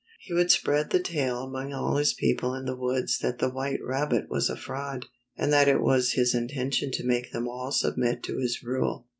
He would spread the tale among all his people in the woods that the white rabbit was a fraud, and that it was his intention to make them all submit to his rule.